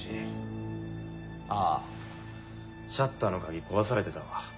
あシャッターの鍵壊されてたわ。